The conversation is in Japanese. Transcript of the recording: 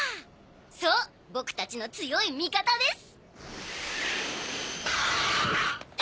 そう僕たちの強い味方です。